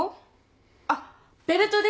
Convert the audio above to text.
あっベルトですね。